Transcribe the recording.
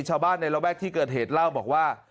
ชาวบ้านในระแวกที่เกิดเหตุเล่าบอกว่า